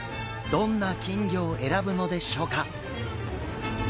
どんな金魚を選ぶのでしょうか？